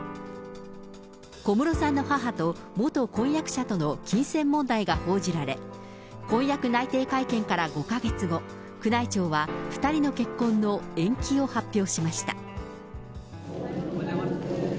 小室さんの母と元婚約者との金銭問題が報じられ、婚約内定会見から５か月後、宮内庁は２人の結婚の延期を発表しました。